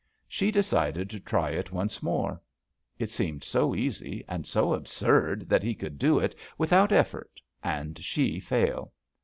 She decided to try it once more. It seemed so easy, and so absurd that he could do it without effort and she fail.